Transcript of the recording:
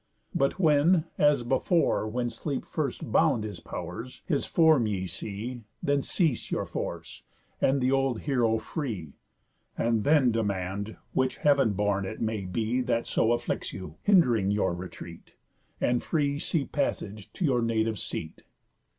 But when, as before, When sleep first bound his pow'rs, his form ye see, Then cease your force, and th' old heroë free, And then demand, which heav'n born it may be That so afflicts you, hind'ring your retreat, And free sea passage to your native seat.